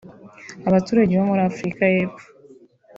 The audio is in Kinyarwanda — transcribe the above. Abaturage bo muri Afrika y’Epfo